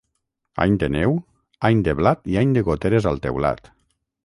Any de neu, any de blat i any de goteres al teulat.